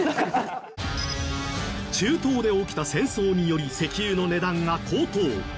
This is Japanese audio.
中東で起きた戦争により石油の値段が高騰。